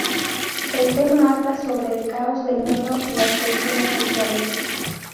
El tema habla sobre el caos, el mundo y las cuestiones sociales.